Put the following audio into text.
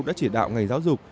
đã chỉ đạo ngày giáo dục